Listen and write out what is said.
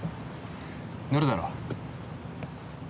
乗るだろ？